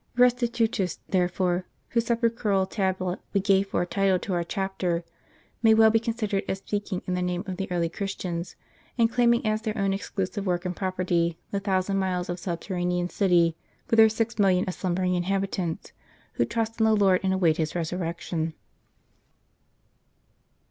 Restitutus, therefore, whose sepulchral tablet we gave for a title to our chapter, may well be considered as speaking in the name of the early Christians, and claiming as their own exclusive work and property, the thousand miles of subter ranean city, with their six millions of slumbering inhabitants, who trust in the Lord, and await His resurrection.